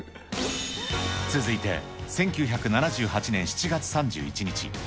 続いて１９７８年７月３１日。